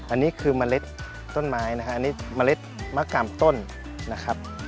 อันนี้คือเมล็ดต้นไม้นะฮะอันนี้เมล็ดมะกำต้นนะครับ